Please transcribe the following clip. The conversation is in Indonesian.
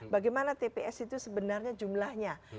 bagaimana tps itu sebenarnya jumlahnya